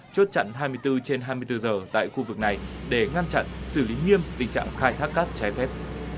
chốt chặn hai mươi bốn trên hai mươi bốn giờ tại khu vực này để ngăn chặn xử lý nghiêm tình trạng khai thác cát trái phép